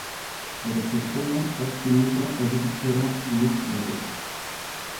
Bere zurtoina zazpi metro edukitzera irits daiteke.